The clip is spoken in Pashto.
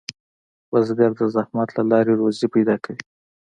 بزګر د زحمت له لارې روزي پیدا کوي